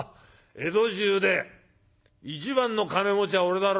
江戸中で一番の金持ちは俺だろ。